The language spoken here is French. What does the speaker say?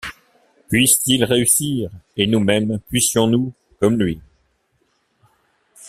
Puisse-t-il réussir, et nous-mêmes puissions-nous, comme lui